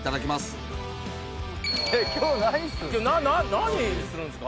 何するんですか？